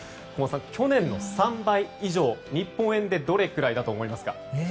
小松さん、去年の３倍以上日本円でどれくらいだと思いますか？